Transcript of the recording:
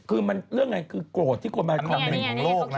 คือเรื่องยังไงคือโกรธที่โกรธมาอันดับหนึ่งของโลก